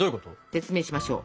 説明しましょう。